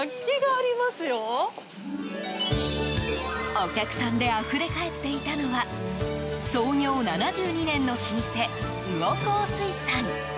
お客さんであふれかえっていたのは創業７２年の老舗、魚幸水産。